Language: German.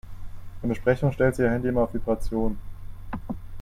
In Besprechungen stellt sie ihr Handy immer auf Vibration.